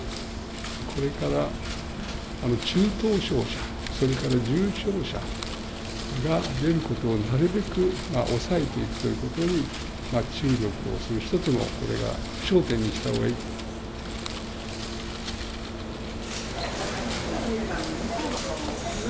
これから中等症者、それから重症者が出ることをなるべく抑えていくということに注力をする、これを一つの焦点にしたほうがいい。